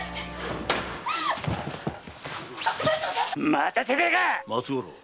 またてめえかっ‼